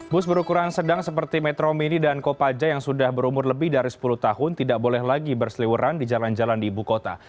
bus berukuran sedang seperti metro mini dan kopaja yang sudah berumur lebih dari sepuluh tahun tidak boleh lagi berseliwuran di jalan jalan di ibu kota